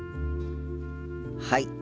はい。